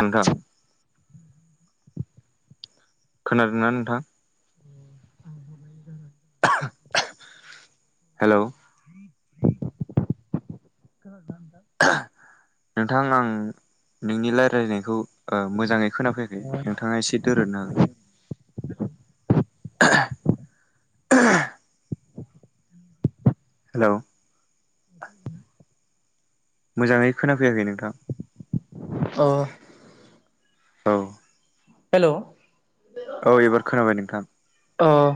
नोंथां खोनादोंना नोंथां हेलौ खोनादोंना नोंथां नोंथां आं नोंनि रायजायनायखौ ओ मोजाङै खोनाफैयाखै नोंथाङा एसे दोरनो हागोन [inaudible] हेलौ मोजाङै खोनाफैयाखै नोंथां अ औ औ एबार खोनाबाय नोंथां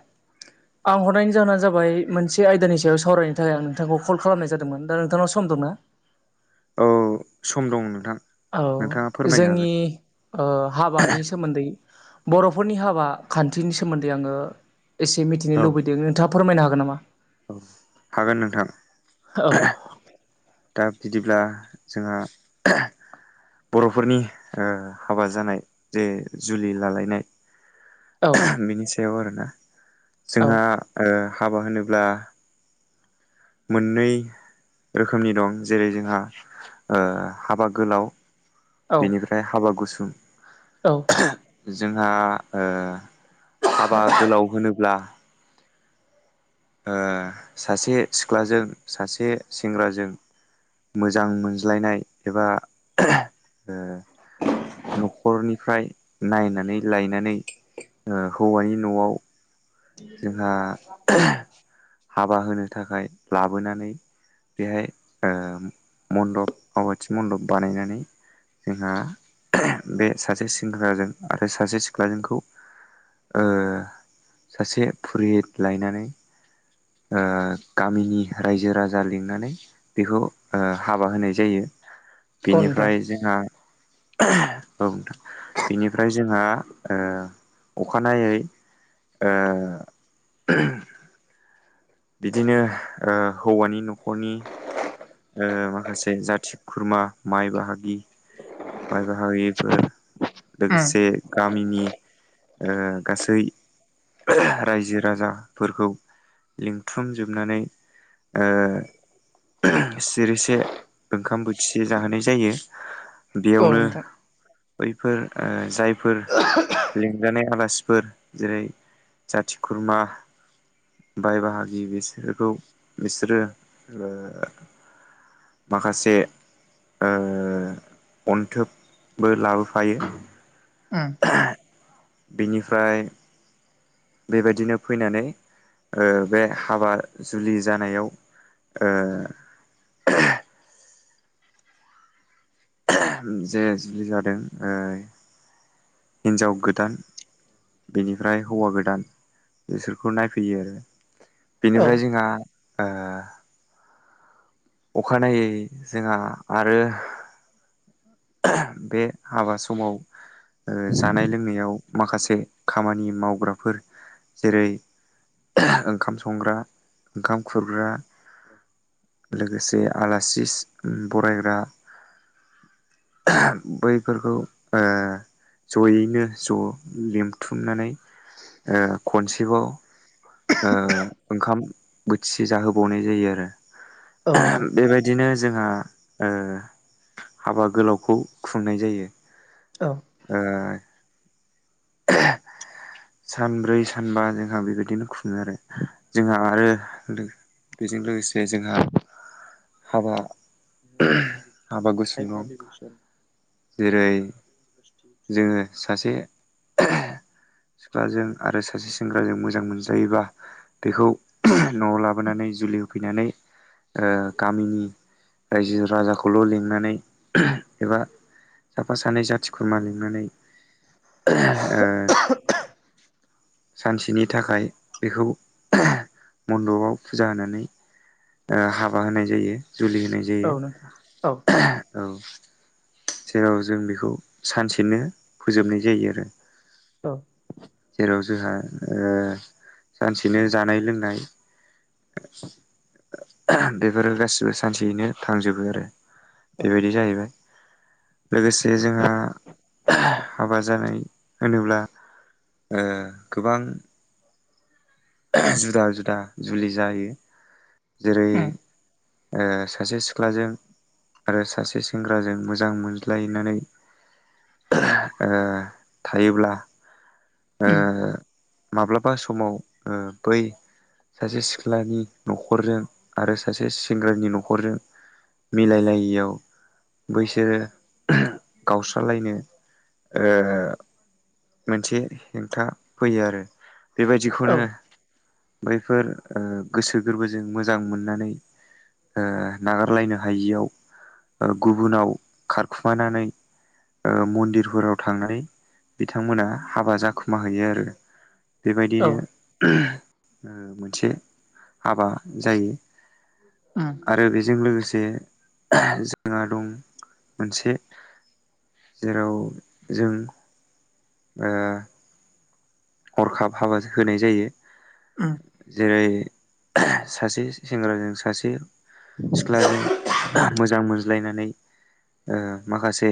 [inaudible] आं हरनायनि जाहोना जाबाय मोनसे आयदानि सायाव सावरायनो थाखाय आं नोंथांखौ कल खालामनाय जादोंमोन दा नोंथांनाव सम दंना [inaudible] औ सम दं नोंथां औ नोंथाङा फोरमायनो जोंनि हागोन ओ हाबानि सोमोन्दै बर'फोरनि हाबा खान्थिनि सोमोन्दै आङो एसे मिथिनो औ लुबैदों नोंथाङा फोरमायनो हागोन नामा औ हागोन नोंथां औ दा बिदिब्ला जोंहा बर'फोरनि ओ हाबा जानाय जे जुलि लालायनाय औ बिनि सायाव आरोना औ जोंहा ओ हाबा होनोब्ला मोननै रो रोखोमनि दं जेरै जोंहा ओ हाबा गोलाव औ बेनिफ्राय हाबा गुसुं औ। जोंहा ओ हाबा गोलाव होनोब्ला ओ सासे सिख्लाजों सासे सेंग्राजों मोजां मोनज्लायनाय एबा न'खरनि फ्राय नायनानै लायनानै हौवानि न'आव जोंहा [unintelligible] हाबा होनो थाखाय लाबोनानै बेहाय ओ मन्दप आवाथि मन्दप बानायनानै जोंहा बे सासे सेंग्राजों आरो सासे सिख्लाजोंखौ ओ सासे फुरहित लायनानै ओ गामिनि रायजो राजा लिंनानै बेखौ हाबा होनाय जायो। औ नोंथां बेनिफ्राय जोंहा [unintelligible] औ नोंथां बेनिफ्राय जोंहा अखानायै ओ। बिदिनो ओ हौवानि न'खरनि ओ माखासे जाथि खुरमा माइ बाहागि बाय बाहाययोफोर उम लोगोसे गामिनि ओ गासै रायजो राजाफोरखौ लिंथुमजोबनानै ओ ओ सिरिसे ओंखाम बोथि जाहोनाय जायो। औ बेयावनो नोंथां बैफोर जायफोर लिंजानाय आलासिफोर जेरै जाथि खुरमा बाय बाहागि बिसोरखौ बिसोरो ओ माखासे ओ अन्थोबबो लाबोफायो उम बिनिफ्राय बेबायदिनो फैनानै ओ बे हाबा जुलि जानायाव ओ [unintelligible] जे जुलि जादों हिन्जाव गोदान बेनिफ्राय हौवा गोदान बिसोरखौ नायफैयो आरो। औ बेनिफ्राय जोंहा ओ अखानायै जोंहा आरो बे हाबा समाव जानाय लोंनायाव माखासे खामानि मावग्राफोर, जेरै ओंखाम संग्रा ओंखाम खुरग्रा लोगोसे आलासि बरायग्रा बैफोरखौ ओ जयैनो ज' लिमथुमनानै खनसेबाव ओ ओंखाम बोथिसे जाहोबावनाय जायो आरो। औ नोंथां बेबायदिनो जोंहा ओ हाबा गोलावखौ खुंनाय जायो। औ ओ। [unintelligible] सानब्रै सानबा जोंहा बेबायदिनो खुंङो आरो जोंहा आरो लो बेजों लोगोसे जोंहा हाबा हाबा गुसुं दं [unintelligible] जेरै जोंङो सासे सिख्लाजों आरो सा-। सासे सेंग्राजों मोजां मोनज्लायोबा बेखौ न'आव लाबोनानै जुलि होफैनानै। ओ गामिनि रायजो राजाखौल लिंनानै एबा। साफा सानै जाथि खुरमा लिंनानै। ओ सानसेनि थाखाय बेखौ मन्दबाव फुजा होनानै। ओ हाबा होनाय जायो जुलि होनाय जायो औ नोंथां औ औ। जेराव जों बिखौ सानसेनो फोजोबनाय जायो आरो। औ जेराव जोंहा ओ सानसेनो जानाय लोंनाय। बेफोरो गासिबो सानसेयैनो थांजोबो आरो। बेबायदि जाहैबाय। लोगोसे जोंङो हाबा जानाय होनोब्ला। ओ गोबां। जुदा जुदा जुलि जायो जोरै। उम ओ सासे सिख्लाजों। आरो सासे सेंग्राजों मोजां मोनज्लायनानै। ओ थायोब्ला। ओ उम माब्लाबा समाव ओ बै। सासे सिख्लानि न'खरजों आरो सासे सेंग्रानि न'खरजों। मिलाय लायियाव। बैसोरो गावस्रालायनो ओ। मोनसे हेंथा फैयो आरो औ बेबायदिखौनो। बैफोर ओ गोसो गोरबोजों मोजां मोननानै। ओ नागारलायनो हायियाव गुबुनाव खारखुमानानै। ओ मन्दिरफोराव थांनाय बिथांमोना हाबा जाखुमा हैैयो आरो। बेबायदिनो औ ओ मोनसे हाबा जायो। उम आरो बेजों लोगोसे जोंआ दं। मोनसे जेराव जों ओ। हरखाब हाबा जाहोनाय जायो। उम्म। जेरै सासे सेंग्राजों सासे। सिख्लाजों मोजां मोनज्लायनानै। ओ माखासे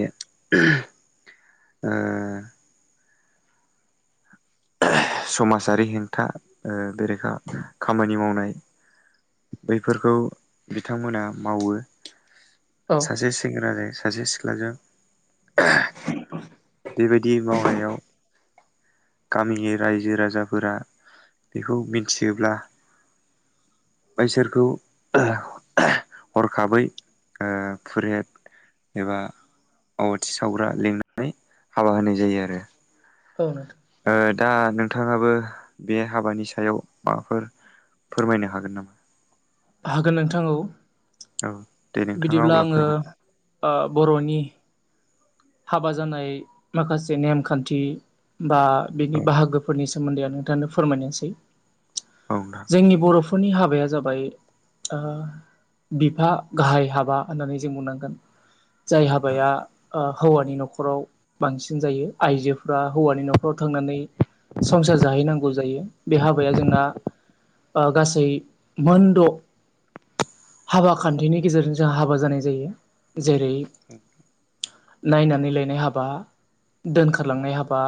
ओ। समासारि हेंथा ओ बेरेखा खामानि मावनाय। बैफोरखौ बिथांमोना मावो औ सासे सेंग्रा जों। सासे सिख्लाजों बेबायदि मावनायाव‌ गामिनि रायजो राजाफोरा बेखौ मिन्थियोब्ला। बैसोरखौ हरखाबै। ओ फुरेथ एबा। आवाथि सावग्रा लिंनानै हाबा होनाय जायो आरो। औ नोंथां। ओ दा नोंथांङाबो बे हाबानि सायाव माबाफोर। फोरमायनो हागोन नामा। हागोन नोंथां औ। औ। दे नोंथाङा बिदिब्ला अब्ला आंङो फोरमायदो ओ बर'नि। हाबा जानाय माखासे नेमखान्थि बा बिनि औ बाहागोफोरनि सो। सोमोन्दै आं नोंथांनो फोरमायनोसै औ नोंथां औ जोंनि बर'फोरनि हाबाया जाबाय। बिफा गाहाय हाबा होननानै जों बुंनांगोन जाय नोंथां हाबाया हौवानि न'खराव बांसिन जायो आइजोफ्रा हौवानि न'खराव थांनानै संसार जाहैनांगौ जायो बे हाबाया जोंना ओ गासै मोनद' हाबा खान्थिनि गेजेरजों जों हाबा जानाय जायो जेरै औ नायनानै लायनाय हाबा दोनखारलांनाय हाबा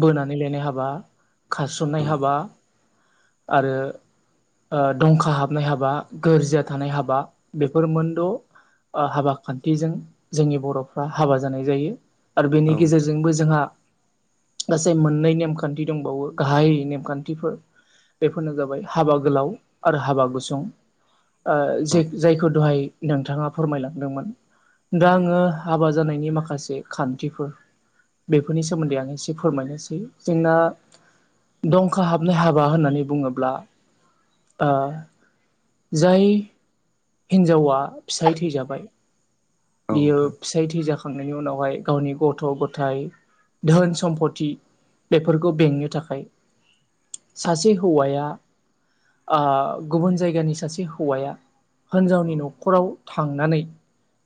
बोनानै लायनाय हाब बा खारसननाय नोंथां हाबा आरो ओ दंखा हाबनाय हाबा, गोरजिया थानाय हाबा बेफोर मोनद' आ हाबा खान्थिजों जोंनि बर' बा हाबा जानाय जायो आरो औ बेनि नोंथां गेजेरजोंबो जोंहा गासै मोननै नेमखान्थि दंबावो गाहाय नेमखान्थिफोर बेफोरनो जाबाय हाबा गोलाव आरो हाबा गुसुं। ओ औ जे जायखौ दहाय नोंथाङा फोरमायलांदोंमोन दा आङो नोंथां हाबा जानायनि माखासे खान्थिफोर बेफोरनि सोमोन्दै आं एसे फोरमायनोसै जोंना दंखा हाबनाय हाबा होननानै बुङोब्ला ओ जाय हिनजावा फिसाय थैजाबाय औ बियो नोंथां फिसाय थैजाख खांनायनि उनावहाय गावनि गथ' गथायाइ धोन सम्फथि बेफोरखौ बेंनो थाखाय सासे हौवाया आ गुबुन जायगानि सासे हौवाया औ हिनजावनि न'खराव थांनानै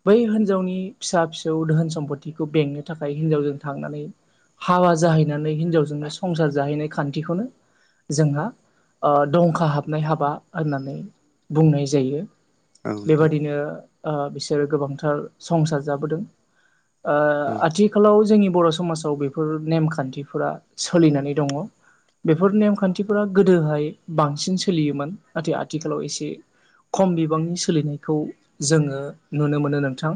बै हिनजावनि फिसा फिसौ दोहोन सम्पतिखौ बेंनो थाखाय हिनजावजों थांनानै हाबा जाहैनानै हिनजावजोंनो संसार जाहैनाय खान्थिखौनो जोंहा ओ दंखा हाबनाय हाबा होननानै बुंनाय जायो। औ नोंथां बेबादिनो ओ बिसोरो गोबांथार संसार जाबोदों ओ औ आथिखालाव जोंनि बर' समाजाव बेफोर नेमखान्थिफोरा सोलिनानै दङ' बेफोर नेमखान्थिफोरा गोदोहाय बांसिन सोलियोमोन नाथाय आथिखालाव एसे खम बिबांनि सोलिनायखौ जोङो नुनो मोनो नोंथां।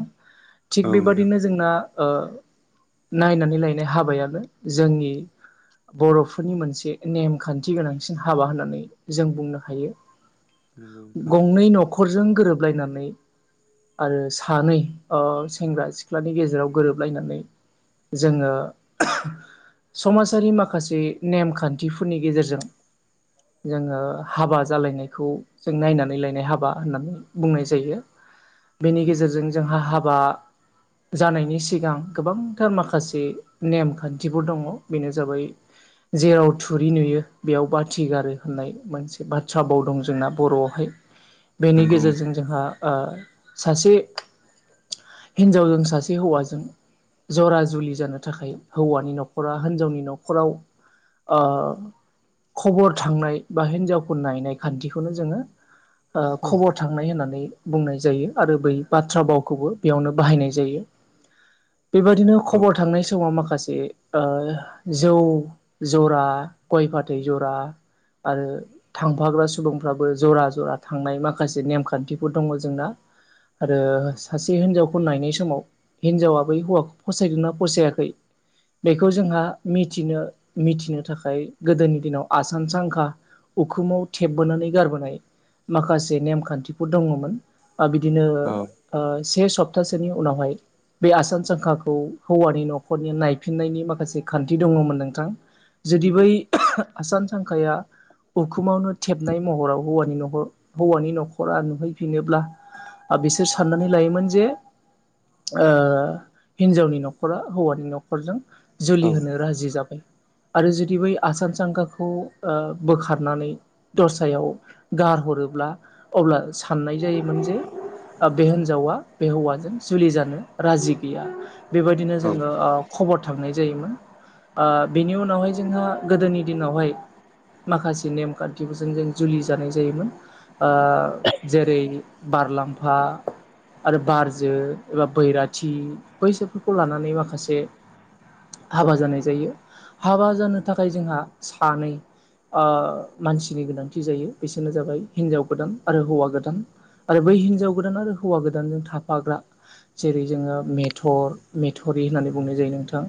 थिग औ नोंथां बेबादिनो जोंना ओ नायनानै लायनाय हाबायानो जोंनि बर'फोरनि मोनसे नेमखान्थि गोनांसिन हाबा होननानै जों बुंनो हायो। नोंगौ नोंथां। नै न'खरजों गोरोबलायनानै आरो सानै ओ सेंग्रा सिख्लानि गेजेराव गोरोबलायनानै जोङो समाजारि माखासे नेमखान्थिफोरनि गेजेरजों जोङो हाबा जालायनायखौ जों नायनानै लाय नाय हाबा होननानै बुंनाय जायो बेनि गेजेरजों जोंहा हाबा जानायनि सिगां गोबांथार माखासे नेमखान्थिफोर दङ' बेनो जाबाय जेराव थुरि नुयो बेयाव बाथि गारो होननाय मोनसे बाथ्रा बाव दं जोंना बर'आवहाय बेनि नंगौ गेजेरजों नोंथां जोंहा ओ सासे हिनजावजों सासे हौवाजों जरा जुलि जानो थाखाय हौवानि न'खरा हिनजावनि न'खराव ओ खबर थांनाय बा हिनजावफोर नायनाय खान्थिखौनो जोङो ओ खबर थांनाय होननानै बुंनाय जायो आरो बै बाथ्रा भावखौबो बेयावनो बाहायनाय जायो। बेबायदिनो खबर थांनाय समाव माखा खासे ओ जौ जरा गय फाथै जरा आरो थांफाग्रा सुबुंफ्राबो जरा जरा थांनाय माखासे नेमखान्थिफोर दंमोन जोंना। आरो सासे हिनजावखौ नायनाय समाव हिनजावा बै हौवाखौ फसायदोंना फसायाखै बेखौ जोंहा मिथिनो मिथिनो थाखाय गोदोनि दिनाव आसान सांखा उखुमाव थेबबोनानै गारबोनाय माखासे नेम खान्थिफोर दङमोन ओ बिदिनो औ ओ सेस सप्तासेनि उनावहाय बे आसान सांखाखौ हौवानि न'खरनि नायफिननायनि माखासे खान्थि दङमोन नोंथां। जुदि बै आसान सांखाया उखुमावनो थेबनाय महराव हौवानि न'खर हौवानि न'खरा नुहैफिनोब्ला बिसोर साननानै लायोमोन जे ओ हिन्जावनि न'खरा हौवानि न'खरजों जुलि होनो राजि जाबाय। आरो जुदि बै आसान सांखाखौ बोखारनानै दस्रायाव गारहरो ब्ला अब्ला साननाय जायोमोन जे बे हिनजावा बे हौवाजों जुलि जानो राजि गैया। बेबायदिनो औ जोङो ओ खबर थांनाय जायोमोन ओ बेनि उनावहाय जोंहा गोदोनि दिनावहाय माखासे नेमखान्थिफोरजों जों जुलि जानाय जायोमोन ओ जेरै बारलाम्फा आरो बारजो एबा बैराथि बैसोरफोरखौ लानानै माखासे हाबा जानाय जायो हाबा जानो थाखाय जोंहा सानै ओ मानसिनि गोनांथि जायो बेसोरनो जाबाय हिनजाव गोदान आरो हौवा गोदान आरो बै हिनजाव गोदान आरो हौवा गोदानजों थाफाग्रा जेरै जोङो मेथर मेथरि होननानै बुंनाय जायो नोंथां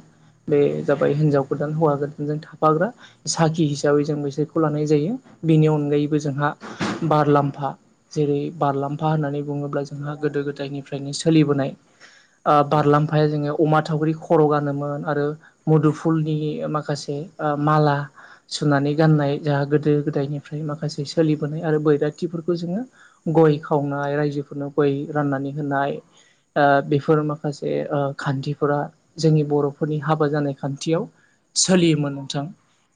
बे औ जाबाय हिनजाव गो गोदान हौवा गोदानजों थाफाग्रा साखि हिसाबै जों बिसोरखौ लानाय जायो बेनि अनगायैबो जोंहा बारलाम्फा जेरै बारलाम्फा होननानै बुङोब्ला जोंहा गोदो गोदायनिफ्रायनो सोलिबोनाय ओ औ बारलाम्फाया जोंनियाव अमा थावख्रि खर' गानोमोन आरो मुदुफुलनि माखासे ओ माला सुनानै गाननाय जोंहा गोदो गोदायनिफ्राय माखासे सोलिबोनाय आरो बैराथिफोरखौ जोङो गय खावनाय रायजोफोरनो गय राननानै होनाय ओ बेफोर माखासे खान्थिफोरा जोंनि बर'फोरनि हाबा जानाय खान्थियाव सोलियोमोन नोंथां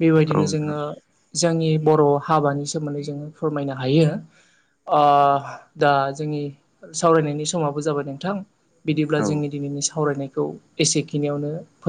बेबायदिनो नोंथां जोङो जोंनि बर' हाबानि सोमोन्दै जों फोरमायनो हायो। ओ दा जोंनि सावरायनायनि समाबो जाबाय नोंथां। बिदिब्ला औ जोंनि दिनैनि सावरायनायखौ एसेखिनियावनो फो